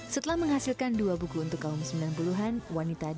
setelah menghasilkan dua buku untuk kaum sembilan puluh an